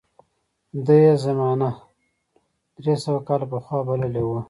ده یې زمانه درې سوه کاله پخوا بللې وه.